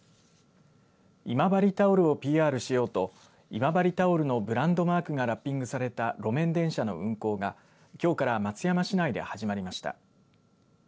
今治タオルをＰＲしようと今治タオルのブランドマークがラッピングされた路面電車の運行がきょうから松山市内で始まりました。